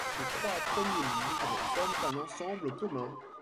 Ses trois premiers livres forment un ensemble commun.